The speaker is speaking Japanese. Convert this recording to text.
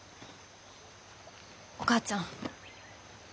お母ちゃん。